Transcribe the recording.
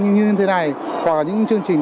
như thế này hoặc là những chương trình